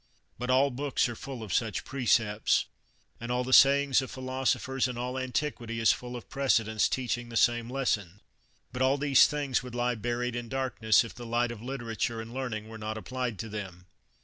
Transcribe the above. But all books are full of such precepts, and all the sayings of philosophers, and all antiquity is full of precedents teaching the same lesson ; but all these things would lie buried in darkness, if the light of literature and learn ing were not applied to them.